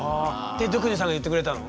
ドゥクニさんが言ってくれたの？